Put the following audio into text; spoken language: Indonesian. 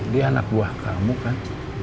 dia anak buah kamu kan